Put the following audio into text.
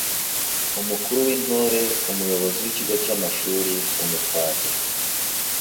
Umukuru w’Intore: Umuyobozi w’ikigo cy’amashuri Umutahira: